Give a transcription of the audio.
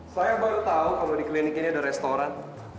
saya baru tahu kalau di klinik ini ada restoran